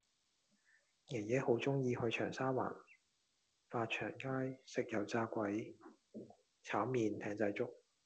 爺爺好鍾意去長沙灣發祥街食油炸鬼炒麵艇仔粥